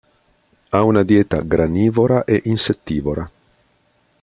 Ha una dieta granivora e insettivora.